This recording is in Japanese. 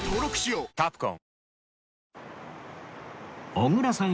小倉さん